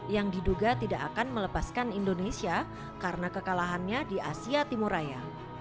yang diduga tidak akan melepaskan indonesia karena kekalahannya di asia timuraya